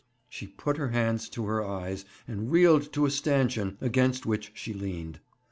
She put her hands to her eyes, and reeled to a stanchion, against which she leaned.